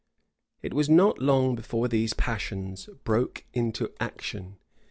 {1400.} It was not long before these passions broke into action.